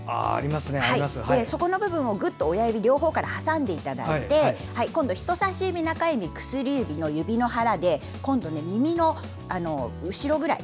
その部分を親指で両方から挟んでいただいて人さし指、中指、薬指の指の腹で、今度は耳の後ろぐらい。